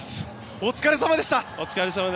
お疲れさまです。